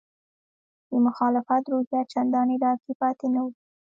د مخالفت روحیه چندانې راکې پاتې نه وه.